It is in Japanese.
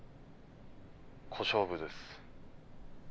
小勝負です。